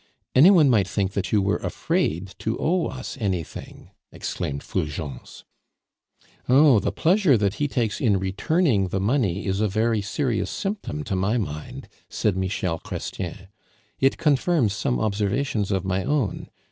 "Any one might think that you were afraid to owe us anything," exclaimed Fulgence. "Oh! the pleasure that he takes in returning the money is a very serious symptom to my mind," said Michel Chrestien. "It confirms some observations of my own.